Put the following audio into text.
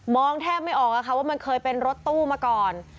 องแทบไม่ออกว่ามันเคยเป็นรถตู้มาก่อน